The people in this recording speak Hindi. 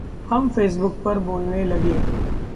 हम फ़ेसबुक पर बोलने लगे।